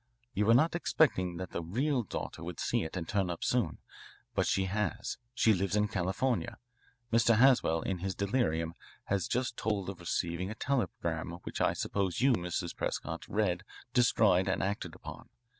"You were not expecting that the real daughter would see it and turn up so soon. But she has. She lives in California. Mr. Haswell in his delirium has just told of receiving a telegram which I suppose you, Mrs. Prescott, read, destroyed, and acted upon.